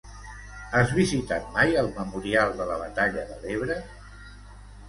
Has visitat mai el memorial de la batalla de l'Ebre?